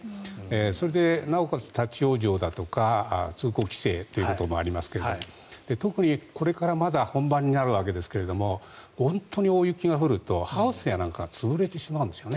それでなおかつ立ち往生だとか通行規制ということもありますが特にこれからまだ本番になるわけですが本当に大雪が降るとハウスやなんかが潰れてしまうんですよね。